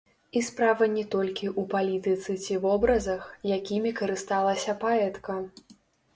І справа не толькі ў палітыцы ці вобразах, якімі карысталася паэтка.